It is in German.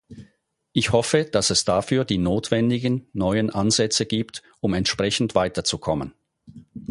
Ich hoffe, dass es dafür die notwendigen neuen Ansätze gibt, um entsprechend weiterzukommen.